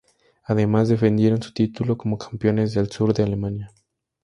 Además, defendieron su título como campeones del sur de Alemania.